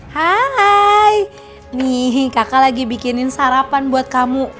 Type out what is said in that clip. hai nih kakak lagi bikinin sarapan buat kamu